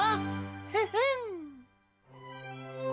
フフン！